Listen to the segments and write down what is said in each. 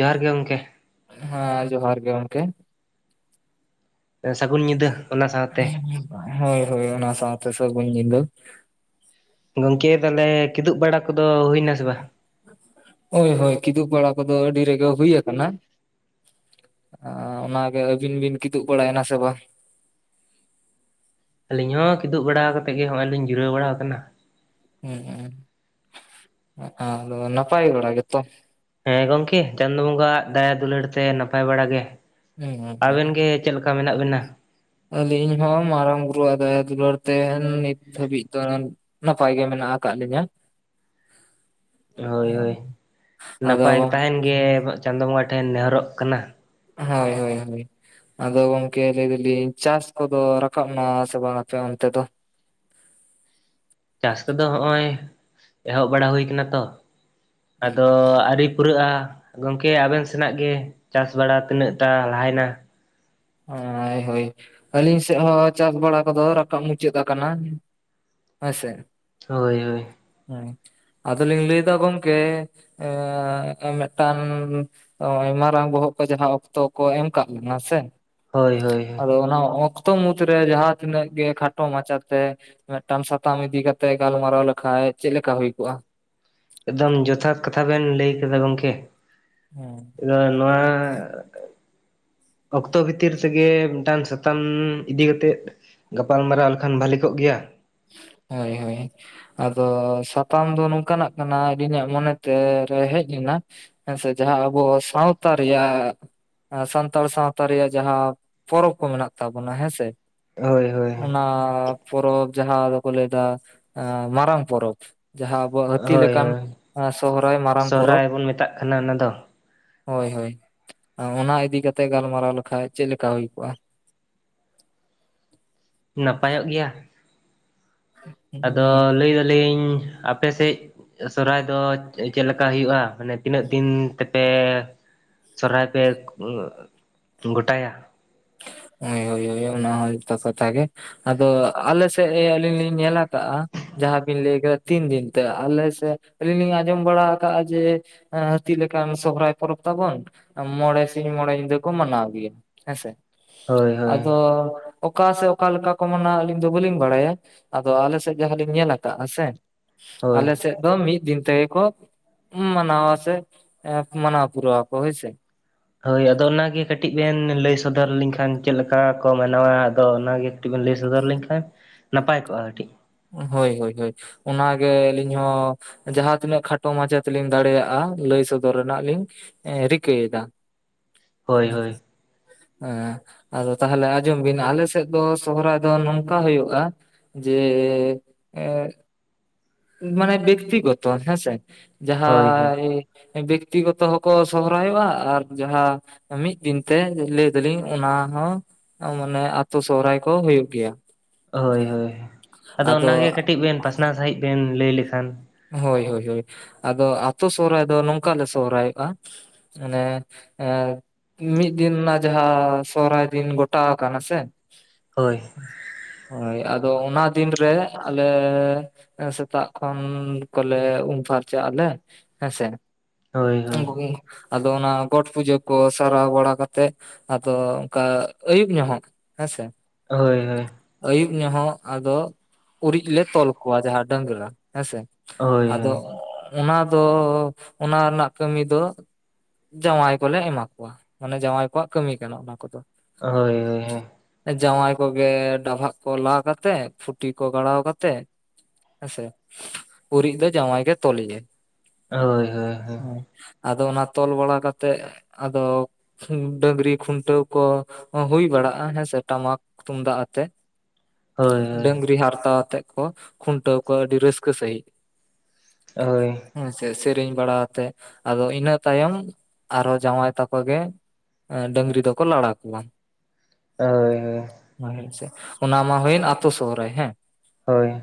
ᱡᱚᱦᱟᱨ ᱜᱮ ᱜᱚᱝᱠᱮ ᱦᱮᱸ ᱡᱚᱦᱟᱨ ᱜᱮ ᱜᱚᱝᱠᱮ ᱮ ᱥᱟᱹᱜᱩᱱ ᱧᱤᱫᱟᱹ ᱚᱱᱟ ᱥᱟᱶᱛᱮ ᱦᱚᱭ ᱦᱚᱭ ᱚᱱᱟ ᱥᱟᱶᱛᱮ ᱥᱟᱹᱜᱩᱱ ᱧᱤᱫᱟᱹ ᱜᱚᱝᱠᱮ ᱛᱟᱦᱞᱮ ᱠᱤᱫᱩᱵ ᱵᱟᱲᱟ ᱠᱚᱫᱚ ᱦᱩᱭ ᱮᱱᱟ ᱥᱮ ᱵᱟᱝ ᱦᱚᱭ ᱦᱚᱭ ᱠᱤᱫᱩᱵ ᱵᱟᱲᱟ ᱠᱚᱫᱚ ᱟᱹᱰᱤ ᱨᱮᱜᱮ ᱦᱩᱭ ᱟᱠᱟᱱᱟ ᱚᱱᱟᱜᱮ ᱟᱹᱵᱤᱱ ᱵᱤᱱ ᱠᱤᱫᱩᱵ ᱵᱟᱲᱟᱭᱮᱱᱟ ᱥᱮ ᱵᱟᱝ ᱟᱹᱞᱤᱧ ᱦᱚᱸ ᱠᱤᱫᱩᱵ ᱵᱟᱲᱟ ᱠᱟᱛᱮᱜ ᱜᱮ ᱱᱚᱜᱼᱚᱭ ᱞᱤᱧ ᱡᱤᱨᱟᱹᱣ ᱵᱟᱲᱟ ᱟᱠᱟᱱᱟ ᱦᱩᱸ ᱦᱩᱸ ᱟᱫᱚ ᱱᱟᱯᱟᱭ ᱵᱟᱲᱟ ᱜᱮᱛᱚ ᱦᱮᱸ ᱜᱚᱝᱠᱮ ᱪᱟᱸᱫᱚ ᱵᱚᱸᱜᱟ ᱟᱜ ᱫᱟᱭᱟ-ᱫᱩᱞᱟᱹᱲ ᱛᱮ ᱱᱟᱯᱟᱭ ᱵᱟᱲᱟ ᱜᱮ ᱦᱩᱸ ᱦᱩᱸ ᱦᱩᱸ ᱟᱵᱤᱱ ᱜᱮ ᱪᱮᱫ ᱞᱮᱠᱟ ᱢᱮᱱᱟᱜ ᱵᱤᱱᱟ ᱟᱹᱞᱤᱧ ᱦᱚᱸ ᱢᱟᱨᱟᱝ ᱵᱩᱨᱩᱣᱟᱜ ᱫᱟᱭᱟ-ᱫᱩᱞᱟᱹᱲ ᱛᱮ ᱱᱤᱛ ᱫᱷᱟᱹᱵᱤᱡ ᱫᱚ ᱱᱟᱯᱟᱭ ᱜᱮ ᱢᱮᱱᱟᱜ ᱟᱠᱟᱫ ᱞᱤᱧᱟᱹ ᱦᱚᱭ ᱦᱚᱭ ᱟᱫᱚ ᱱᱟᱯᱟᱭ ᱜᱮ ᱛᱟᱦᱮᱱ ᱜᱚᱝᱠᱮ ᱜᱮ ᱪᱟᱸᱫᱚ ᱵᱚᱸᱜᱟ ᱴᱷᱮᱱ ᱱᱮᱦᱚᱨᱚᱜ ᱠᱟᱱᱟ ᱦᱚᱭ ᱦᱚᱭ ᱦᱚᱭ ᱟᱫᱚ ᱜᱚᱝᱠᱮ ᱞᱟᱹᱭ ᱮᱫᱟᱞᱤᱧ ᱪᱟᱥ ᱠᱚᱫᱚ ᱨᱟᱠᱟᱵ ᱮᱱᱟ ᱥᱮ ᱵᱟᱝᱟ ᱟᱯᱮ ᱚᱱᱛᱮ ᱫᱚ ᱪᱟᱥ ᱠᱚᱫᱚ ᱱᱚᱸᱜᱼᱚᱭ ᱮᱦᱚᱵ ᱵᱟᱲᱟ ᱦᱩᱭ ᱟᱠᱟᱱᱟ ᱛᱚ ᱟᱫᱚ ᱟᱹᱣᱨᱤ ᱯᱩᱨᱟᱹᱜᱼᱟ ᱜᱚᱝᱠᱮ ᱟᱵᱤᱱ ᱥᱮᱱᱟᱜ ᱜᱮ ᱪᱟᱥ ᱵᱟᱲᱟ ᱛᱤᱱᱟᱹᱜ ᱴᱟᱜ ᱞᱟᱦᱟᱭᱮᱱᱟ ᱦᱚᱭ ᱦᱚᱭ ᱦᱚᱭ ᱟᱹᱞᱤᱧ ᱥᱮᱫ ᱦᱚᱸ ᱪᱟᱥ ᱵᱟᱲᱟ ᱠᱚᱫᱚ ᱨᱟᱠᱟᱵ ᱢᱩᱪᱟᱹᱫ ᱟᱠᱟᱱᱟ ᱦᱳᱭ ᱥᱮ ᱦᱚᱭ ᱦᱚᱭ ᱦᱮᱸ ᱟᱫᱚᱞᱤᱧ ᱞᱟᱹᱭᱮᱫᱟ ᱜᱚᱫᱠᱮ ᱮᱸᱻ ᱢᱤᱫᱴᱟᱝ ᱦᱚᱭ ᱢᱟᱨᱟᱝ ᱵᱚᱦᱚᱜ ᱠᱚ ᱡᱟᱦᱟᱸ ᱚᱠᱛᱚ ᱠᱚ ᱮᱢ ᱟᱠᱟᱜ ᱵᱚᱱᱟ ᱥᱮ ᱦᱳᱭ ᱦᱳᱭ ᱟᱫᱚ ᱚᱱᱟ ᱚᱠᱛᱚ ᱢᱩᱫᱽᱨᱮ ᱡᱟᱦᱟᱸ ᱛᱤᱱᱟᱹᱜ ᱜᱮ ᱠᱷᱟᱴᱚ ᱢᱟᱪᱷᱟᱛᱮ ᱢᱤᱫᱴᱟᱝ ᱥᱟᱛᱟᱢ ᱤᱫᱤ ᱠᱟᱛᱮᱜ ᱜᱟᱞᱢᱟᱨᱟᱣ ᱞᱮᱠᱷᱟᱡ ᱪᱮᱫ ᱞᱮᱠᱟ ᱦᱩᱭ ᱠᱚᱜᱼᱟ ᱮᱠᱫᱚᱢ ᱡᱚᱛᱷᱟᱛ ᱠᱟᱛᱷᱟ ᱵᱮᱱ ᱞᱟᱹᱭ ᱠᱮᱫᱟ ᱜᱚᱢᱠᱮ ᱦᱮᱸ ᱟᱫᱚ ᱱᱚᱣᱟ ᱚᱠᱛᱚ ᱵᱷᱤᱛᱤᱨ ᱛᱮᱜᱮ ᱢᱤᱫᱴᱟᱱ ᱥᱟᱛᱟᱢ ᱤᱫᱤ ᱠᱟᱛᱮᱫ ᱜᱟᱯᱟᱞᱢᱟᱨᱟᱣ ᱞᱮᱠᱷᱟᱱ ᱵᱷᱟᱞᱤ ᱠᱚᱜ ᱜᱮᱭᱟ ᱦᱳᱭ ᱦᱳᱭ ᱟᱫᱚ ᱥᱟᱛᱟᱢ ᱫᱚ ᱱᱚᱝᱠᱟᱱᱟᱜ ᱠᱟᱱᱟ ᱟᱹᱞᱤᱧᱟᱜ ᱢᱚᱱᱮ ᱛᱮ ᱨᱮ ᱦᱮᱡ ᱮᱱᱟ ᱦᱮᱸ ᱥᱮ ᱡᱟᱦᱟᱸ ᱟᱵᱚ ᱥᱟᱶᱛᱟ ᱨᱮᱭᱟᱜ ᱥᱟᱱᱛᱟᱲ ᱥᱟᱶᱛᱟ ᱨᱮᱭᱟᱜ ᱡᱟᱦᱟᱸ ᱯᱚᱨᱚᱵᱽ ᱠᱚ ᱢᱮᱱᱟᱜ ᱛᱟᱵᱚᱱᱟ ᱦᱮᱸᱥᱮ ᱦᱳᱭ ᱦᱳᱭ ᱚᱱᱟ ᱯᱚᱨᱚᱵᱽ ᱡᱟᱦᱟᱸ ᱫᱚᱵᱚ ᱞᱟᱹᱭ ᱮᱫᱟ ᱢᱟᱨᱟᱝ ᱯᱚᱨᱚᱵᱽ ᱡᱟᱦᱟᱸ ᱟᱵᱚᱣᱟᱜ ᱦᱟᱹᱛᱤ ᱦᱳᱭ ᱞᱮᱠᱟᱱ ᱦᱳᱭ ᱥᱚᱦᱨᱟᱭ ᱢᱟᱨᱟᱝ ᱯᱚᱨᱚᱵᱽ ᱥᱚᱦᱨᱟᱭ ᱵᱚᱱ ᱢᱮᱛᱟᱜ ᱠᱟᱱᱟ ᱚᱱᱟ ᱫᱚ ᱦᱳᱭ ᱦᱳᱭ ᱚᱱᱟ ᱤᱫᱤ ᱠᱟᱛᱮᱜ ᱜᱟᱞᱢᱟᱨᱟᱣ ᱞᱮᱠᱷᱟᱡ ᱪᱮᱫ ᱞᱮᱠᱟ ᱦᱩᱭ ᱠᱚᱜᱼᱟ ᱱᱟᱯᱟᱭᱚᱜ ᱜᱮᱭᱟ ᱟᱫᱚ ᱞᱟᱹᱭ ᱮᱫᱟᱹᱞᱤᱧ ᱟᱯᱮ ᱥᱮᱫ ᱥᱚᱦᱨᱟᱭ ᱫᱚ ᱪᱮᱫ ᱞᱮᱠᱟ ᱦᱩᱭᱩᱜᱼᱟ ᱢᱟᱱᱮ ᱛᱤᱱᱟᱹᱜ ᱫᱤᱱ ᱛᱮᱯᱮ ᱥᱚᱨᱚᱦᱟᱭ ᱯᱮ ᱜᱚᱴᱟᱭᱟ᱾ ᱦᱳᱭ ᱦᱳᱭ ᱦᱳᱭ ᱚᱱᱟ ᱦᱚᱸ ᱡᱚᱛᱷᱟᱛ ᱠᱟᱛᱷᱟ ᱜᱮ ᱟᱫᱚ ᱟᱞᱮ ᱥᱮᱫ ᱟᱹᱞᱤᱧ ᱞᱤᱧ ᱧᱮᱞ ᱟᱠᱟᱜᱼᱟ ᱡᱟᱦᱟᱸ ᱵᱮᱱ ᱞᱟᱹᱭ ᱠᱮᱫᱟ ᱛᱤᱱ ᱫᱤᱱ ᱛᱮ ᱟᱞᱮᱥᱮᱫ ᱟᱹᱞᱤᱧ ᱞᱤᱧ ᱟᱸᱡᱚᱢ ᱵᱟᱲᱟ ᱟᱠᱟᱜᱼᱟ ᱡᱮ ᱦᱟᱹᱛᱤ ᱞᱮᱠᱟᱱ ᱥᱚᱦᱨᱟᱭ ᱯᱚᱨᱚᱵᱽ ᱛᱟᱵᱚᱱ ᱢᱚᱬᱮ ᱥᱤᱧ ᱢᱚᱬᱮ ᱧᱤᱫᱟᱹ ᱠᱚ ᱢᱟᱱᱟᱣ ᱜᱮᱭᱟ ᱦᱮᱸᱥᱮ ᱦᱳᱭ ᱦᱳᱭ ᱟᱫᱚ ᱚᱠᱟ ᱥᱮ ᱚᱠᱟ ᱞᱮᱠᱟ ᱠᱚ ᱢᱮ ᱟᱹᱞᱤᱧ ᱫᱚ ᱵᱟᱹᱞᱤᱧ ᱵᱟᱲᱟᱭᱟ ᱟᱫᱚ ᱟᱞᱮᱥᱮᱫ ᱡᱟᱦᱟᱸᱞᱤᱧ ᱧᱮᱞ ᱟᱠᱟᱫᱼᱟ ᱥᱮ ᱦᱳᱭ ᱟᱞᱮ ᱥᱮᱫ ᱫᱚ ᱢᱤᱫ ᱫᱤᱱ ᱛᱮᱜᱮ ᱠᱚ ᱢᱟᱱᱟᱣᱟ ᱥᱮ ᱢᱟᱱᱟᱣ ᱯᱩᱨᱟᱹᱣ ᱟᱠᱚ ᱦᱮᱸᱥᱮ ᱦᱳᱭ ᱟᱫᱚ ᱚᱱᱟᱜᱮ ᱠᱟᱹᱴᱤᱡ ᱵᱮᱱ ᱞᱟᱹᱭ ᱥᱚᱫᱚᱨ ᱞᱤᱧ ᱠᱷᱟᱱ ᱪᱮᱫ ᱞᱮᱠᱟ ᱠᱚ ᱢᱟᱱᱟᱣᱟ ᱟᱫᱚ ᱚᱱᱟᱜᱮ ᱠᱟᱹᱴᱤᱡ ᱵᱮᱱ ᱞᱟᱹᱭ ᱥᱚᱫᱚᱨ ᱞᱮᱱ ᱠᱷᱟᱱ ᱱᱟᱯᱟᱭ ᱠᱚᱜᱼᱟ ᱠᱟᱹᱴᱤᱡ ᱦᱳᱭ ᱦᱳᱭ ᱦᱳᱭ ᱚᱱᱟᱜᱮ ᱟᱹᱞᱤᱧ ᱦᱚᱸ ᱡᱟᱦᱟᱸ ᱛᱤᱱᱟᱹᱜ ᱠᱷᱟᱴᱚ ᱢᱟᱪᱷᱟ ᱛᱮᱞᱤᱧ ᱫᱟᱲᱮᱭᱟᱜᱼᱟ ᱞᱟᱹᱭ ᱥᱚᱫᱚᱨ ᱨᱮᱱᱟᱜ ᱞᱤᱧ ᱨᱮᱠᱟᱹᱭᱮᱫᱟ ᱦᱳᱭ ᱦᱳᱭ ᱦᱮᱸ ᱟᱫᱚ ᱛᱟᱦᱚᱞᱮ ᱟᱸᱡᱚᱢ ᱵᱮᱱ ᱟᱞᱮ ᱥᱮᱫ ᱫᱚ ᱥᱚᱦᱨᱟᱭ ᱫᱚ ᱱᱚᱝᱠᱟ ᱦᱩᱭᱩᱜᱼᱟ ᱡᱮ ᱡᱮ ᱮ ᱢᱟᱱᱮ ᱵᱮᱠᱛᱤ ᱜᱚᱛᱚ ᱦᱮᱸᱥᱮ ᱦᱳᱭ ᱦᱳᱭ ᱡᱟᱦᱟᱸ ᱵᱮᱠᱛᱤ ᱜᱚᱛᱚ ᱦᱚᱸᱠᱚ ᱥᱚᱦᱨᱟᱭᱚᱜᱼᱟ ᱟᱨ ᱡᱟᱦᱟᱸ ᱢᱤᱫ ᱫᱤᱱᱛᱮ ᱞᱟᱹᱭ ᱮᱫᱟᱞᱤᱧ ᱚᱱᱟ ᱦᱚᱸ ᱢᱟᱱᱮ ᱟᱛᱳ ᱥᱚᱦᱨᱟᱭ ᱠᱚ ᱦᱩᱭᱩᱜ ᱜᱮᱭᱟ ᱦᱳᱭ ᱦᱳᱭ ᱟᱫᱚ ᱚᱱᱟᱜᱮ ᱠᱟᱹᱴᱤᱡ ᱵᱮᱱ ᱯᱟᱥᱱᱟᱣ ᱥᱟᱺᱦᱤᱡ ᱵᱮᱱ ᱞᱟᱹᱭ ᱞᱮᱠᱷᱟᱱ ᱦᱳᱭ ᱦᱳᱭ ᱦᱳᱭ ᱟᱫᱚ ᱟᱛᱳ ᱥᱚᱦᱨᱟᱭ ᱫᱚ ᱱᱚᱝᱠᱟ ᱞᱮ ᱥᱚᱦᱨᱟᱭᱚᱜᱼᱟ ᱢᱟᱱᱮ ᱢᱤᱫ ᱫᱤᱱ ᱨᱮᱱᱟᱜ ᱡᱟᱦᱟᱸ ᱥᱚᱦᱨᱟᱭ ᱫᱤᱱ ᱜᱚᱴᱟ ᱟᱠᱟᱱᱟ ᱥᱮ ᱦᱳᱭ ᱦᱳᱭ ᱟᱫᱚ ᱚᱱᱟ ᱫᱤᱱ ᱨᱮ ᱟᱞᱮ ᱥᱮᱛᱟᱜ ᱠᱷᱚᱱ ᱠᱚᱞᱮ ᱩᱢ ᱯᱷᱟᱨᱪᱟᱜ ᱟᱞᱮ ᱦᱮᱸᱥᱮ ᱦᱳᱭ ᱦᱳᱭ ᱟᱫᱚ ᱚᱱᱟ ᱜᱚᱴ ᱯᱩᱡᱟᱹ ᱠᱚ ᱥᱟᱨᱟᱣ ᱵᱟᱲᱟ ᱠᱟᱛᱮᱜ ᱟᱫᱚ ᱚᱱᱠᱟ ᱟᱹᱭᱩᱵ ᱧᱚᱜ ᱦᱚᱸᱜ ᱦᱮᱸ ᱥᱮ ᱦᱳᱭ ᱦᱳᱭ ᱟᱹᱭᱩᱵ ᱧᱚᱦᱚᱸᱜ ᱟᱫᱚ ᱩᱨᱤᱡ ᱞᱮ ᱛᱚᱞ ᱠᱚᱣᱟ ᱡᱟᱦᱟᱸ ᱰᱟᱹᱟᱝᱨᱟ ᱦᱮᱸᱥᱮ ᱦᱳᱭ ᱦᱳᱭ ᱟᱫᱚ ᱚᱱᱟ ᱫᱚ ᱚᱱᱟ ᱨᱮᱱᱟᱜ ᱠᱟᱹᱢᱤ ᱫᱚ ᱡᱟᱶᱟᱭ ᱠᱚᱞᱮ ᱮᱢᱟ ᱠᱚᱣᱟ ᱢᱟᱱᱮ ᱡᱟᱶᱟᱭ ᱠᱚᱣᱟᱜ ᱠᱟᱹᱢᱤ ᱠᱟᱱᱟ ᱚᱱᱟ ᱠᱚᱫᱚ ᱦᱳᱭ ᱦᱳᱭ ᱦᱳᱭ ᱡᱟᱶᱟᱭ ᱠᱚᱜᱮ ᱰᱟᱵᱷᱟᱜ ᱠᱚ ᱞᱟ ᱠᱟᱛᱮᱜ ᱯᱷᱩᱴᱤ ᱠᱚ ᱜᱟᱲᱟᱣ ᱠᱟᱛᱮᱜ ᱦᱮᱸᱥᱮ ᱩᱨᱤᱡ ᱫᱚ ᱡᱟᱶᱟᱭ ᱜᱮ ᱛᱚᱞᱮᱭᱟ ᱦᱳᱭ ᱦᱳᱭ ᱦᱩᱸ ᱟᱫᱚ ᱚᱱᱟ ᱛᱚᱞ ᱵᱟᱲᱟ ᱠᱟᱛᱮᱜ ᱟᱫᱚ ᱰᱟᱹᱝᱨᱤ ᱠᱷᱩᱱᱴᱟᱹᱣ ᱠᱚ ᱦᱩᱭ ᱵᱟᱲᱟᱜᱼᱟ ᱦᱮᱸᱥᱮ ᱴᱟᱢᱟᱠ ᱛᱩᱢᱫᱟᱜ ᱟᱛᱮᱜ ᱦᱳᱭ ᱦᱳᱭ ᱦᱳᱭ ᱰᱟᱹᱝᱨᱤ ᱦᱟᱨᱛᱟᱣᱛᱮᱫ ᱠᱚ ᱠᱷᱩᱱᱴᱟᱹᱣ ᱠᱚᱣᱟ ᱟᱹᱰᱤ ᱨᱟᱹᱥᱠᱟᱹ ᱥᱟᱺᱦᱤᱡ ᱦᱳᱭ ᱦᱮᱸᱥᱮ ᱥᱮᱨᱮᱧ ᱵᱟᱲᱟ ᱟᱛᱮ ᱟᱫᱚ ᱤᱱᱟᱹ ᱛᱟᱭᱚᱢ ᱟᱨᱦᱚᱸ ᱡᱟᱶᱟᱭ ᱛᱟᱠᱚ ᱜᱮ ᱮᱸ ᱰᱟᱝᱨᱤ ᱫᱚᱠᱚ ᱞᱟᱲᱟ ᱠᱚᱣᱟ ᱦᱳᱭ ᱦᱳᱭ ᱢᱟ ᱦᱮᱸᱥᱮ ᱚᱱᱟ ᱢᱟ ᱦᱩᱭᱮᱱ ᱟᱛᱳ ᱥᱳᱦᱨᱟᱭ ᱦᱮᱸ ᱦᱳᱭ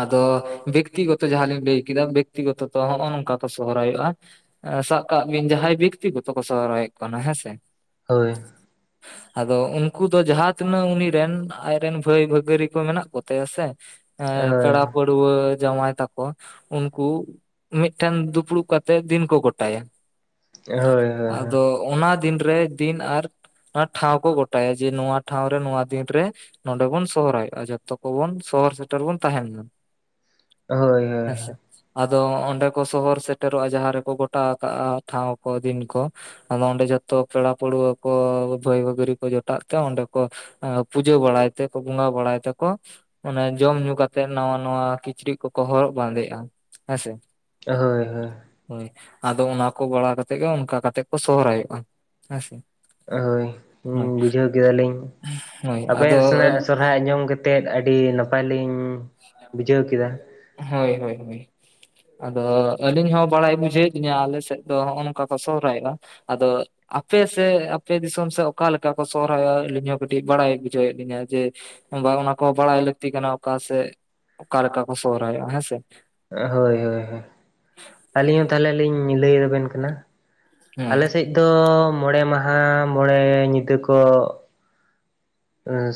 ᱟᱫᱚ ᱵᱤ ᱵᱮᱠᱛᱤᱜᱚᱛᱚ ᱡᱟᱦᱟᱸ ᱞᱤᱧ ᱞᱟᱹᱭ ᱠᱮᱫᱟ ᱵᱮᱠᱛᱤᱜᱚᱛᱚ ᱛᱚ ᱦᱚᱸᱜ-ᱚ ᱱᱚᱝᱠᱟ ᱠᱚ ᱥᱚᱦᱚᱨᱟᱭᱚᱜᱼᱟ ᱧᱮᱻ ᱥᱟᱵ ᱠᱟᱜ ᱵᱤᱱ ᱡᱟᱦᱟᱸᱭ ᱵᱮᱠᱛᱤ ᱜᱚᱛᱚ ᱠᱚ ᱥᱚᱨᱦᱟᱭᱚᱜ ᱠᱟᱱᱟ ᱦᱮᱸ ᱥᱮ ᱦᱳᱭ ᱟᱫᱚ ᱩᱱᱠᱩ ᱫᱚ ᱡᱟᱦᱟᱸ ᱛᱤᱱᱟᱹᱜ ᱩᱱᱤ ᱨᱮᱱ ᱟᱡ ᱨᱮᱱ ᱵᱷᱟᱹᱭ ᱵᱷᱟᱹᱜᱟᱹᱨᱤ ᱠᱚ ᱢᱮᱱᱟᱜ ᱠᱚᱛᱟᱭᱟ ᱥᱮ ᱦᱮᱸ ᱯᱮᱲᱟ ᱯᱟᱲᱩᱣᱟ ᱡᱟᱶᱟᱭ ᱛᱟᱠᱚ ᱩᱱᱠᱩ ᱢᱤᱫᱴᱷᱮᱱ ᱫᱩᱯᱲᱩᱵ ᱠᱟᱛᱮᱜ ᱫᱤᱱ ᱠᱚ ᱜᱚᱴᱟᱭᱟ ᱟᱫᱚ ᱚᱱᱟ ᱫᱤᱱᱨᱮ ᱫᱤᱱ ᱟᱨ ᱚᱱᱟ ᱴᱷᱟᱶ ᱠᱚ ᱜᱚᱴᱟᱭᱟ ᱡᱮ ᱱᱚᱣᱟ ᱴᱷᱟᱶ ᱨᱮ ᱱᱚᱣᱟ ᱫᱤᱱ ᱨᱮ ᱱᱚᱰᱮ ᱵᱚᱱ ᱥᱚᱦᱨᱟᱭᱚᱜᱼᱟ ᱡᱚᱛᱚ ᱠᱚᱵᱚᱱ ᱥᱚᱦᱚᱨ ᱥᱮᱴᱮᱨ ᱵᱩᱱ ᱛᱟᱦᱮᱱ ᱢᱟ᱾ ᱦᱳᱭ ᱦᱮᱸᱥᱮ ᱟᱫᱚ ᱚᱸᱰᱮ ᱠᱚ ᱥᱚᱦᱚᱨ ᱥᱮᱴᱮᱨᱚᱜᱼᱟ ᱡᱟᱦᱟᱸ ᱨᱮᱠᱚ ᱜᱚᱴᱟ ᱠᱟᱜᱼᱟ ᱴᱷᱟᱶ ᱠᱚ ᱫᱤᱱ ᱠᱚ ᱟᱫᱚ ᱚᱸᱰᱮ ᱡᱚᱛᱚ ᱯᱮᱲᱟ ᱯᱟᱹᱲᱦᱟᱹ ᱠᱚ ᱵᱷᱟᱹᱭ ᱵᱷᱟ. ᱜᱟ. ᱨᱤ ᱠᱚ ᱡᱚᱴᱟᱜ ᱛᱮ ᱚᱸᱰᱮ ᱠᱚ ᱯᱩᱡᱟᱹ ᱵᱟᱲᱟᱭ ᱛᱮᱠᱚ ᱵᱚᱸᱜᱟ ᱵᱟᱲᱟᱭ ᱛᱮᱠᱚ ᱚᱱᱮ ᱡᱚᱢ ᱧᱩ ᱠᱟᱛᱮᱜ ᱱᱟᱣᱟ ᱱᱟᱣᱟ ᱠᱤᱪᱨᱤᱡ ᱠᱚ ᱠᱚ ᱦᱚᱨᱚᱜ ᱵᱟᱸᱫᱮᱜᱼᱟ, ᱦᱮᱸ ᱥᱮ ᱦᱳᱭ ᱦᱳᱭ ᱦᱳᱭ ᱟᱫᱚ ᱚᱱᱟ ᱠᱚ ᱵᱟᱲᱟ ᱠᱟᱛᱮ ᱜᱮ ᱚᱱᱠᱟ ᱠᱟᱛᱮᱜ ᱠᱚ ᱥᱚᱦᱨᱟᱭᱚᱜᱼᱟ ᱦᱮᱸᱥᱮ ᱦᱳᱭ ᱦᱳᱭ ᱵᱩᱡᱷᱟᱹᱣ ᱠᱮᱫᱟᱞᱤᱧ ᱦᱳᱭ ᱟᱯᱮ ᱟᱫᱚ ᱥᱮᱱᱟᱜ ᱥᱚᱨᱦᱟᱭ ᱟᱸᱡᱚᱢ ᱠᱟᱛᱮ ᱠᱟᱛᱮᱫ ᱟᱹᱰᱤ ᱱᱟᱯᱟᱭ ᱞᱤᱧ ᱵᱩᱡᱷᱟᱹᱣ ᱠᱮᱫᱟ ᱦᱳᱭ ᱦᱳᱭ ᱦᱳᱭ ᱟᱫᱚ ᱟᱹᱞᱤᱧ ᱦᱚᱸ ᱵᱟᱲᱟᱭ ᱵᱩᱡᱷᱟᱹᱣᱮᱫ ᱞᱤᱧᱟᱹ ᱟᱞᱮ ᱥᱮᱫ ᱫᱚ ᱦᱚᱜᱼᱚᱭ ᱱᱚᱝᱠᱟ ᱠᱚ ᱥᱚᱦᱨᱟᱭᱚᱜᱼᱟ ᱟᱫᱚ ᱟᱯᱮ ᱥᱮ ᱟᱯᱮ ᱫᱤᱥᱚᱢ ᱥᱮᱫ ᱚᱠᱟᱞᱮᱠᱟ ᱠᱚ ᱥᱚᱦᱨᱟᱭᱚᱜᱼᱟ ᱟᱹᱞᱤᱧ ᱦᱚᱸ ᱠᱟᱹᱴᱤᱡ ᱵᱟᱲᱟᱭ ᱵᱩᱡᱷᱟᱹᱣᱮᱫ ᱞᱤᱧᱟᱹ ᱡᱮ ᱵᱟᱝ ᱚᱱᱟ ᱠᱚ ᱵᱟᱲᱟᱭ ᱞᱟᱹᱠᱛᱤ ᱠᱟᱱᱟ ᱚᱠᱟ ᱥᱮᱫ ᱚᱠᱟᱮᱠᱟ ᱠᱚ ᱥᱚᱦᱨᱟᱭᱚᱜᱼᱟ ᱦᱮᱸᱥᱮ᱾ ᱦᱳᱭ ᱦᱳᱭ ᱦᱳᱭ ᱟᱹᱞᱤᱧ ᱦᱚᱸ ᱛᱟᱦᱚᱞᱮ ᱞᱤᱧ ᱞᱟᱹᱭ ᱟᱵᱮᱱ ᱠᱟᱱᱟ ᱦᱮᱸ ᱟᱞᱮ ᱥᱮᱫ ᱫᱚ ᱢᱚᱬᱮ ᱢᱟᱦᱟ ᱢᱚᱬᱮ ᱧᱤᱫᱟᱹ ᱠᱚ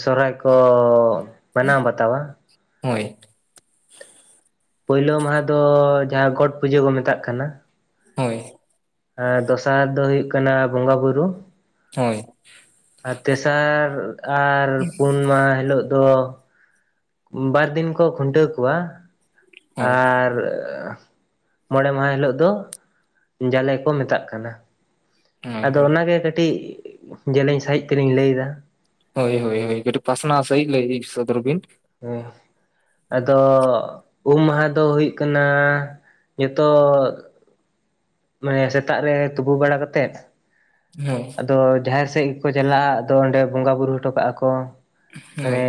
ᱥᱚᱨᱦᱟᱭ ᱠᱚ ᱢᱟᱱᱟᱣ ᱵᱟᱛᱟᱣᱟ᱾ ᱦᱳᱭ ᱯᱳᱭᱞᱳ ᱢᱟᱦᱟ ᱫᱚ ᱡᱟᱦᱟᱸ ᱜᱚᱴ ᱯᱩᱡᱟᱹ ᱠᱚ ᱢᱮᱛᱟᱜ ᱠᱟᱱᱟ ᱦᱳᱭ ᱟᱨ ᱫᱚᱥᱟᱨ ᱫᱚ ᱦᱳᱭᱳᱜ ᱠᱟᱱᱟ ᱵᱚᱸᱜᱟ ᱵᱩᱨᱩ ᱦᱳᱭ ᱟᱨ ᱛᱮᱥᱟᱨ ᱟᱨ ᱯᱩᱱ ᱢᱟᱦᱟ ᱦᱤᱞᱳᱜ ᱫᱚ ᱵᱟᱨ ᱫᱤᱱ ᱠᱚ ᱠᱷᱩᱱᱴᱟᱹᱣ ᱠᱚᱣᱟ ᱦᱳᱭ ᱟᱨ ᱢᱚᱬᱮ ᱢᱟᱦᱟ ᱦᱤᱞᱳᱜ ᱫᱚ ᱡᱟᱞᱮ ᱠᱚ ᱢᱮᱛᱟᱜ ᱠᱟᱱᱟ ᱦᱳᱭ ᱟᱫᱚ ᱦᱳᱭ ᱚᱱᱟᱜᱮ ᱠᱟᱹᱴᱤᱡ ᱡᱮᱞᱮᱧ ᱥᱟᱹᱦᱤᱡ ᱛᱮᱞᱤᱧ ᱞᱟᱹᱭ ᱮᱫᱟ᱾ ᱦᱳᱭ ᱦᱳᱭ ᱦᱳᱭ ᱠᱟᱹᱴ ᱯᱟᱥᱱᱟᱣ ᱥᱟᱦᱤᱡ ᱞᱟᱹᱭ ᱥᱚᱫᱚᱨ ᱵᱤᱱ᱾ ᱦᱮᱸ ᱟᱫᱚ ᱩᱢ ᱢᱟᱦᱟ ᱫᱚ ᱦᱩᱭᱩᱜ ᱠᱟᱱᱟ ᱡᱚᱛᱚ ᱢᱟᱱᱮ ᱥᱮᱛᱟᱜ ᱨᱮ ᱛᱩᱵᱩ ᱵᱟᱲᱟ ᱠᱟᱛᱮᱫ ᱦᱮᱸ ᱟᱫᱚ ᱡᱟᱦᱮᱨ ᱥᱮᱫ ᱜᱮᱠᱚ ᱪᱟᱞᱟᱜᱼᱟ ᱟᱫᱚ ᱚᱸᱰᱮ ᱵᱚᱸᱜᱟ ᱵᱩᱨᱩ ᱦᱚᱴᱚ ᱠᱟᱜᱼᱟ ᱠᱚ᱾ ᱦᱳᱭ ᱢᱟᱱᱮ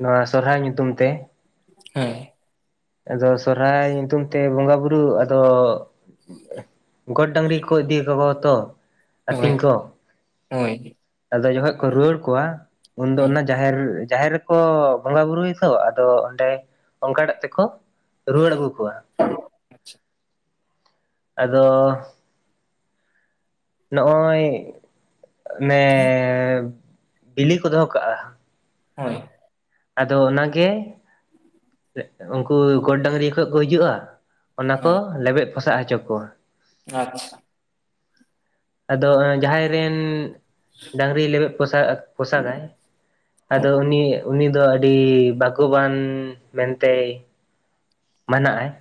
ᱱᱚᱣᱟ ᱥᱚᱨᱦᱟᱭ ᱧᱩᱛᱩᱢ ᱛᱮ᱾ ᱦᱮᱸ ᱟᱫᱚ ᱥᱚᱨᱦᱟᱭ ᱧᱩᱛᱩᱢ ᱛᱮ ᱵᱚᱸᱜᱟ ᱵᱩᱨᱩ ᱟᱫᱚ, ᱜᱚᱴ ᱰᱟᱝᱨᱤ ᱠᱚ ᱤᱫᱤ ᱠᱟᱠᱚᱣᱟ ᱛᱚ ᱦᱳᱭ ᱟᱹᱛᱤᱧ ᱠᱚ ᱦᱳᱭ ᱟᱫᱚ ᱡᱚᱠᱷᱚᱡ ᱠᱚ ᱨᱩᱣᱟᱹᱲ ᱠᱚᱣᱟ, ᱩᱱᱫᱚ ᱦᱳᱭ ᱚᱱᱟ ᱡᱟᱦᱮᱨ ᱡᱟᱦᱮᱨ ᱠᱚ ᱵᱚᱸᱜᱟ ᱵᱩᱨᱩᱭᱟᱛᱚ ᱟᱫᱚ ᱚᱸᱰᱮ ᱚᱱᱠᱟᱴᱟᱜ ᱛᱮᱠᱚ ᱨᱩᱣᱟᱹᱲ ᱟᱹᱜᱩ ᱠᱚᱣᱟ᱾ ᱟᱪᱪᱷᱟ [unintelligible] ᱟᱫᱚ ᱱᱚᱜᱼᱚᱭ ᱢᱮ ᱵᱤᱞᱤ ᱠᱚ ᱫᱚᱦᱚ ᱠᱟᱜᱼᱟ ᱦᱳᱭ ᱟᱫᱚ ᱚᱱᱟᱜᱮ ᱩᱱᱠᱩ ᱜᱚᱰ ᱰᱟᱝᱨᱤ ᱠᱷᱚᱡ ᱠᱚ ᱦᱤᱡᱩᱜᱼᱟ ᱚᱱᱟ ᱠᱚ ᱦᱮᱸ ᱞᱮᱵᱮᱜ ᱯᱚᱥᱟᱜ ᱦᱚᱪᱚ ᱠᱚᱣᱟ ᱟᱪᱪᱷᱟ ᱟᱫᱚ ᱡᱟᱦᱟᱸᱭ ᱨᱮᱱ ᱰᱟᱹᱝᱨᱤ ᱞᱮᱵᱮᱜ ᱯᱚᱥᱟᱜ ᱯᱚᱥᱟᱜᱟᱭ ᱾ ᱟᱫᱚ ᱩᱱᱤ, ᱩᱱᱤ ᱫᱚ ᱟᱹᱰᱤ ᱵᱟᱜᱚᱵᱟᱱ ᱢᱮᱱᱛᱮᱭ ᱢᱟᱱᱟᱜᱼᱟᱭ ᱾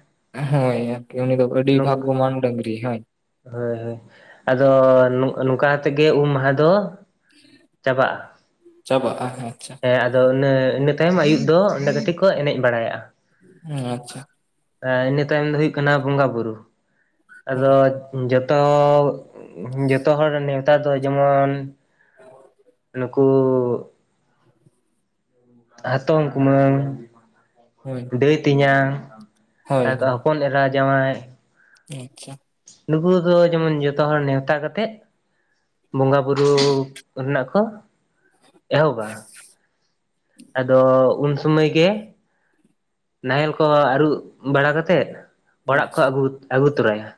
ᱦᱳᱭ ᱟᱨᱠᱤ ᱩᱱᱤ ᱫᱚ ᱟᱹᱰᱤ ᱵᱷᱟᱜᱽᱜᱚᱢᱟᱱ ᱰᱟᱹᱝᱨᱤ ᱦᱳᱭ ᱦᱳᱭ ᱦᱳᱭ ᱟᱫᱚ ᱱᱚᱝᱠᱟᱛᱮ ᱜᱮ ᱩᱢ ᱢᱟᱦᱟ ᱫᱚ ᱪᱟᱵᱟᱜᱼᱟ ᱪᱟᱵᱟᱜᱼᱟ ᱟᱪᱪᱷᱟ ᱾ ᱮᱸ ᱟᱫᱚ ᱤᱱᱟᱹ, ᱤᱱᱟᱹ ᱛᱟᱭᱚᱢ ᱟᱹᱭᱩᱵ ᱫᱚ ᱚᱸᱰᱮ ᱠᱟᱹᱴᱤᱡ ᱠᱚ ᱮᱱᱮᱡ ᱵᱟᱲᱟᱭᱟᱜ‌ᱼᱟ ᱾ ᱟᱪᱪᱷᱟ ᱤᱱᱟᱹ ᱛᱟᱭᱚᱢ ᱫᱚ ᱦᱩᱭᱩᱜ ᱠᱟᱱᱟ ᱵᱚᱸᱜᱟ ᱵᱩᱨᱩ ᱾ ᱟᱫᱚ ᱦᱳᱭ ᱡᱚᱛᱚ, ᱡᱚᱛᱚ ᱦᱚᱲ ᱱᱮᱣᱛᱟ ᱫᱚ ᱡᱮᱢᱚᱱ [unintelligible] ᱱᱩᱠᱩ ᱦᱟᱛᱚᱢ ᱠᱩᱢᱟᱹᱝ ᱦᱳᱭ ᱫᱟᱹᱭ ᱛᱤᱧᱟᱝ, ᱦᱳᱭ ᱦᱚᱯᱚᱱ ᱮᱨᱟ ᱡᱟᱶᱟᱭ ᱟᱪᱪᱷᱟ ᱱᱩᱠᱩ ᱫᱚ ᱡᱮᱢᱚᱱ ᱡᱚᱛᱚ ᱦᱚᱲ ᱱᱮᱣᱛᱟ ᱠᱟᱛᱮᱜ ᱵᱚᱸᱜᱟ ᱵᱩᱨᱩ ᱨᱮᱱᱟᱜ ᱠᱚ ᱮᱦᱚᱵᱟ [unintelligible] [inaudible] ᱟᱫᱚ ᱩᱱ ᱥᱩᱢᱟᱹᱭ ᱜᱮ ᱱᱟᱦᱮᱞ ᱠᱚ ᱟᱹᱨᱩᱵ ᱵᱟᱲᱟ ᱠᱟᱛᱮᱜ, ᱚᱲᱟᱜ ᱠᱚ ᱟᱪᱪᱷᱟ ᱟᱹᱜᱩ, ᱟᱹᱜᱩ ᱛᱚᱨᱟᱭᱟ‌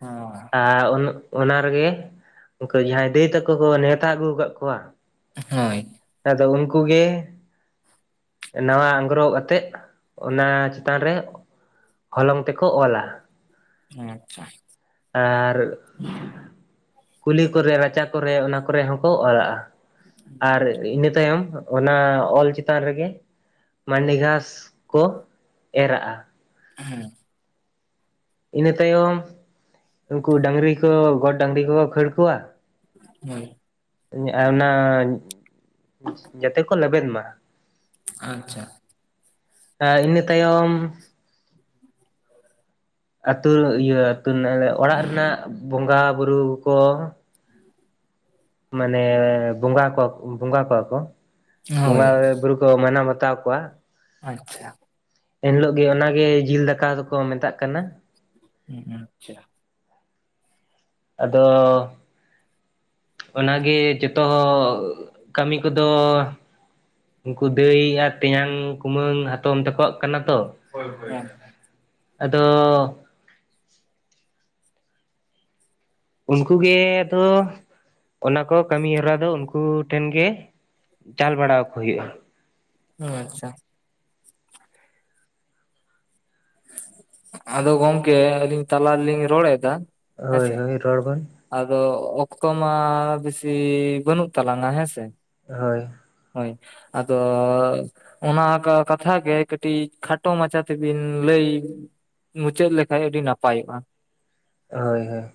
ᱦᱳᱭ ᱟᱨ ᱚᱱᱟ ᱨᱮᱜᱮ ᱩᱱᱠᱩ ᱡᱟᱦᱟᱸᱭ ᱫᱟᱹᱭ ᱛᱟᱠᱚ ᱠᱚ ᱱᱮᱣᱛᱟ ᱟᱹᱜᱩ ᱠᱟᱫ ᱠᱚᱣᱟ ᱦᱳᱭ ᱟᱫᱚ ᱩᱱᱠᱩ ᱜᱮ ᱱᱟᱣᱟ ᱟᱝᱜᱽᱨᱚᱵ ᱟᱛᱮᱫ ᱚᱱᱟ ᱪᱮᱛᱟᱱ ᱨᱮ ᱦᱚᱞᱚᱝ ᱛᱮᱠᱚ ᱚᱞᱟ ᱟᱪᱪᱷᱟ ᱟᱨ ᱠᱩᱞᱦᱤ ᱠᱚᱨᱮ ᱨᱟᱪᱟ ᱠᱚᱨᱮ ᱚᱱᱟ ᱠᱚᱨᱮ ᱦᱚᱸᱠᱚ ᱚᱞᱟᱜᱼᱟ, ᱟᱨ ᱤᱱᱟᱹ ᱛᱟᱭᱚᱢ ᱚᱱᱟ ᱚᱞ ᱪᱮᱛᱟᱱ ᱨᱮᱜᱮ ᱢᱟᱹᱱᱰᱤ ᱜᱷᱟᱥ ᱠᱚ ᱮᱨᱟᱜᱼᱟ ᱾ ᱦᱩᱸ ᱤᱱᱟᱹ ᱛᱟᱭᱚᱢ ᱩᱱᱠᱩ ᱰᱟᱝᱨᱤ ᱠᱚ ᱜᱚᱰ ᱰᱟᱝᱨᱤ ᱠᱚᱠᱚ ᱠᱷᱟᱹᱲ ᱠᱚᱣᱟ ᱦᱳᱭ ᱤᱱᱟᱹ ᱟᱨ ᱚᱱᱟ ᱡᱟᱛᱮ ᱠᱚ ᱞᱮᱵᱮᱫ ᱢᱟ ᱟᱪᱪᱷᱟ ᱤᱱᱟᱹ ᱛᱟᱭᱚᱢ ᱟᱹᱛᱩ ᱤᱭᱟᱹ ᱟᱹᱛᱩ ᱨᱮᱱᱟᱜᱼᱞᱮ ᱾ ᱚᱲᱟᱜ ᱨᱮᱱᱟᱜ ᱵᱚᱸᱜᱟ ᱵᱩᱨᱩ ᱠᱚ [inaudible] ᱢᱟᱱᱮ ᱵᱚᱸᱜᱟ ᱠᱚᱣᱟ ᱵᱚᱸᱜᱟ ᱠᱚᱣᱟ ᱠᱚ ᱾ ᱵᱚᱸᱜᱟ ᱦᱳᱭ ᱵᱩᱨᱩ ᱠᱚ ᱢᱟᱱᱟᱣ ᱵᱟᱛᱟᱣ ᱠᱚᱣᱟ ᱾ ᱟᱪᱪᱷᱟ ᱮᱱ ᱦᱤᱞᱳᱜ ᱜᱤ ᱚᱱᱟᱜᱤ ᱡᱤᱞ ᱫᱟᱠᱟ ᱫᱚᱠᱚ ᱢᱮᱛᱟᱜ ᱠᱟᱱᱟ ᱾ ᱦᱩᱸ ᱟᱪᱪᱷᱟ ᱟᱫᱚᱻ ᱚᱱᱟᱜᱤ ᱡᱚᱛᱚ ᱠᱟᱹᱢᱤ ᱠᱚᱫᱚ ᱩᱱᱠᱩ ᱫᱟᱹᱭ ᱟᱨ ᱛᱮᱧᱟᱝ ᱠᱩᱢᱟᱹᱝ ᱦᱟᱛᱚᱢ ᱛᱟᱠᱚᱟᱜ ᱠᱟᱱᱟ ᱛᱚ ᱟᱫᱚ ᱩᱱᱠᱩᱜᱮ ᱟᱫᱚ ᱚᱱᱟ ᱠᱚ ᱠᱟᱹᱢᱤ ᱦᱚᱨᱟ ᱫᱚ ᱩᱱᱠᱩ ᱴᱷᱮᱱ ᱜᱮ ᱪᱟᱞ ᱵᱟᱲᱟᱣ ᱟᱠᱚ ᱦᱩᱭᱩᱜᱼᱟ ᱾ ᱚ ᱟᱪᱪᱷᱟ ᱟᱫᱚ ᱜᱚᱝᱠᱮ ᱟᱹᱞᱤᱧ ᱛᱞᱟ ᱨᱮᱞᱤᱧ ᱨᱚᱲ ᱮᱫᱟ ᱦᱳᱭ ᱦᱮᱸᱥᱮ ᱦᱳᱭ ᱨᱚᱲ ᱵᱮᱱ ᱟᱫᱚ ᱚᱠᱛᱚ ᱢᱟ ᱵᱮᱥᱤ ᱵᱟᱹᱱᱩᱜ ᱛᱟᱞᱟᱝᱟ ᱦᱮᱸ ᱥᱮ ᱦᱳᱭ ᱦᱳᱭ ᱟᱫᱚ ᱚᱱᱟ ᱠᱟᱛᱷᱟ ᱜᱮ ᱠᱟᱹᱴᱤᱡ ᱠᱷᱟᱴᱚ ᱢᱟᱪᱷᱟ ᱛᱮᱵᱤᱱ ᱞᱟᱹᱭ ᱢᱩᱪᱟᱹᱫ ᱞᱮᱠᱷᱟᱡ ᱟᱹᱰᱤ ᱱᱟᱯᱟᱭᱚᱜ-ᱟ ᱦᱳᱭ ᱦᱳᱭ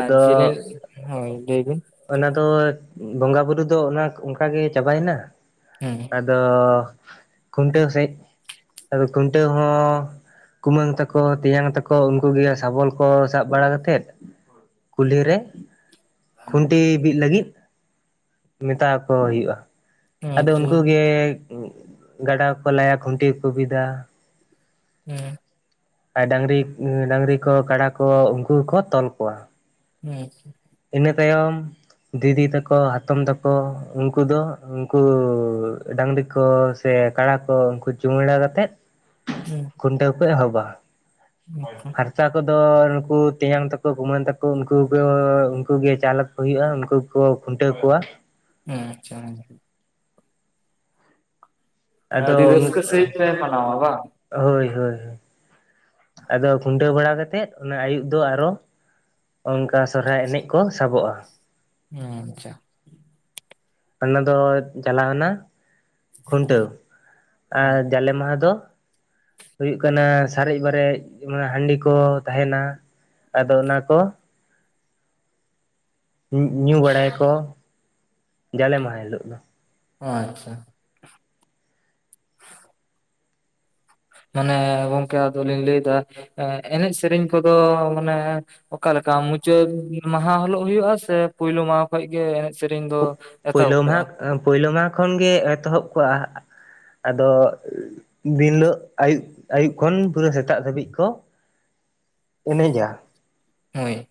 ᱟᱨ ᱡᱮᱞᱮᱧ ᱦᱳᱭ ᱞᱟᱹᱭ ᱵᱤᱱ ᱚᱱᱟ ᱫᱚ ᱵᱚᱸᱜᱟ ᱵᱩᱨᱩ ᱫᱚ ᱚᱱᱟ ᱚᱱᱠᱟ ᱜᱮ ᱪᱟᱵᱟᱭᱮᱱᱟ ᱦᱩᱸ ᱟᱫᱚ ᱠᱷᱩᱱᱴᱟᱹᱣ ᱥᱮᱡ ᱟᱫᱚ ᱠᱷᱩᱱᱴᱟᱹᱣ ᱦᱚᱸ ᱠᱩᱢᱟᱹᱝ ᱛᱟᱠᱚ ᱛᱮᱧᱟᱝ ᱛᱟᱠᱚ ᱩᱱᱠᱩ ᱜᱮ ᱥᱟᱵᱚᱞ ᱠᱚ ᱥᱟᱵ ᱵᱟᱲᱟ ᱠᱟᱛᱮᱫ ᱠᱩᱞᱦᱤ ᱨᱮ ᱠᱷᱩᱱᱴᱤ ᱵᱤᱫ ᱞᱟᱹᱜᱤᱫ ᱢᱮᱛᱟᱠᱚ ᱦᱩᱭᱩᱜ-ᱟ ᱟᱫᱚ ᱟᱪᱪᱷᱟ ᱩᱱᱠᱩ ᱜᱮ ᱜᱟᱰᱟᱠᱚ ᱞᱟᱭᱟ ᱠᱷᱩᱱᱴᱤ ᱠᱚᱠᱚ ᱵᱤᱫᱟ ᱦᱩᱸ ᱟᱨ ᱰᱟᱝᱨᱤ ᱰᱟᱝᱨᱤ ᱠᱚ ᱠᱟᱰᱟ ᱠᱚ ᱩᱱᱠᱩ ᱜᱮᱠᱚ ᱛᱚᱞ ᱠᱚᱣᱟ ᱦᱩᱸ ᱤᱱᱟᱹ ᱛᱟᱭᱚᱢ ᱫᱤᱫᱤ ᱛᱟᱠᱚ ᱦᱟᱛᱚᱢ ᱛᱟᱠᱚ ᱩᱱᱠᱩ ᱫᱚ ᱩᱱᱠᱩ ᱰᱟᱝᱨᱤ ᱠᱚ ᱥᱮ ᱠᱟᱲᱟ ᱠᱚ ᱩᱱᱠᱩ ᱪᱩᱢᱟᱹᱲᱟ ᱠᱟᱛᱮᱫ ᱦᱩᱸ ᱠᱷᱩᱱᱴᱟᱹᱣ ᱠᱚ ᱮᱦᱚᱵᱟ ᱟᱨ ᱦᱟᱥᱟ ᱠᱚᱫᱚ ᱱᱩᱠᱩ ᱛᱮᱧᱟᱝ ᱛᱟᱠᱚ ᱠᱩᱢᱟᱹᱝ ᱛᱟᱠᱚ ᱩᱱᱠᱩ ᱜᱮᱠᱚ ᱩᱱᱠᱩ ᱜᱮ ᱪᱟᱞᱚ ᱠᱚ ᱦᱩᱭᱩᱜ-ᱟ ᱩᱱᱠᱩ ᱜᱮᱠᱚ ᱠᱷᱩᱱᱴᱟᱹᱣ ᱠᱚᱣᱟ ᱦᱩᱸ ᱟᱪᱪᱷᱟ ᱟᱫᱚ ᱟᱹᱰᱤ ᱨᱟᱹᱥᱠᱟᱹ ᱥᱟᱹᱦᱤᱡ ᱯᱮ ᱢᱟᱱᱟᱣᱟ ᱵᱟᱝ ᱦᱳᱭ ᱦᱳᱭ ᱦᱳᱭ ᱟᱫᱚ ᱠᱷᱩᱱᱴᱟᱹᱣ ᱵᱟᱲᱟ ᱠᱟᱛᱮᱫ ᱚᱱᱟ ᱟᱹᱭᱩᱵ ᱫᱚ ᱟᱫᱚ ᱚᱝᱠᱟ ᱥᱚᱨᱦᱟᱭ ᱮᱱᱮᱡ ᱠᱚ ᱥᱟᱵᱚᱜ-ᱟ ᱦᱩᱸ ᱟᱪᱪᱷᱟ ᱚᱱᱟ ᱫᱚ ᱪᱟᱞᱟᱣᱱᱟ ᱦᱩᱸ ᱠᱷᱩᱱᱴᱟᱹᱣ ᱟᱨ ᱦᱩᱸ ᱡᱟᱞᱮ ᱢᱟᱦᱟ ᱫᱚ ᱦᱩᱭᱩᱜ ᱠᱟᱱᱟ ᱥᱟᱨᱮᱡ ᱵᱟᱨᱮᱡ ᱦᱟᱺᱰᱤ ᱠᱚ ᱛᱟᱦᱮᱱᱟ ᱟᱫᱚ ᱚᱱᱟ ᱠᱚ ᱧᱩ ᱵᱟᱲᱟᱭᱟᱠᱚ᱾ ᱡᱟᱞᱮ ᱢᱟᱦᱟ ᱦᱤᱞᱳᱜ ᱫᱚ᱾ ᱟᱪᱪᱷᱟ ᱢᱟᱱᱮ ᱜᱚᱝᱠᱮ ᱟᱫᱚᱞᱤᱧ ᱞᱟᱹᱭᱫᱟ ᱮᱱᱮᱡ ᱥᱮᱨᱮᱧ ᱠᱚᱫᱚ ᱢᱟᱱᱮ ᱚᱠᱟᱞᱮᱠᱟ ᱢᱩᱪᱟᱹᱫ ᱢᱟᱦᱟ ᱦᱤᱞᱳᱜ ᱦᱩᱭᱩᱜ-ᱟᱥᱮ ᱯᱩᱭᱞᱳ ᱢᱟᱦᱟ ᱠᱷᱚᱡᱜᱮ ᱮᱱᱮᱡ ᱥᱮᱨᱮᱧ ᱫᱚ ᱮᱛᱚᱦᱚᱵ ᱠᱚᱜ-ᱟ᱾ ᱯᱩᱭᱞᱳ ᱢᱟᱦᱟ ᱠᱷᱚᱱ ᱜᱮ ᱮᱛᱚᱦᱚᱵ ᱠᱚᱜ-ᱟ ᱟᱫᱚ ᱫᱤᱱ ᱫᱚ ᱟᱹᱭᱩᱵ ᱟᱹᱭᱩᱵ ᱠᱷᱚᱱ ᱯᱩᱨᱟᱹ ᱥᱮᱛᱟᱜ ᱫᱷᱟᱹᱵᱤᱡ ᱠᱚ ᱮᱱᱮᱡᱟ ᱦᱳᱭ